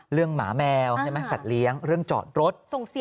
เรื่องหมาแมวสัตว์เลี้ยงเรื่องจอดรถ